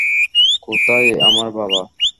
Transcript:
কোথায় আমার বাবা?